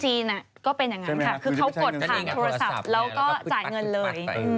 ใช่ไหมครับคือเขาปลดผ่านโทรศัพท์แล้วก็จ่ายเงินเลย